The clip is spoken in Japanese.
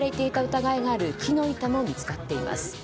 疑いのある木の板も見つかっています。